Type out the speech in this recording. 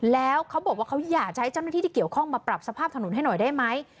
แล้วเขาบอกว่าเขาอยากจะให้เจ้าหน้าที่ที่เกี่ยวข้องมาปรับสภาพถนนให้หน่อยได้ไหม